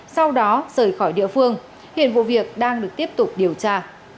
sau đó rời khỏi địa phương hiện vụ việc đang được tiếp tục điều tra